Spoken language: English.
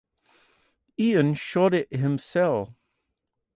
Ian shot it himself.